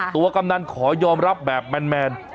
กำนันขอยอมรับแบบแมน